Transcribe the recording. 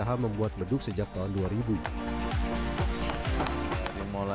harga beduk sesuai negara